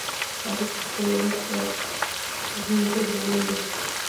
تاریخ د خپل ولس د وروڼتوب لامل دی.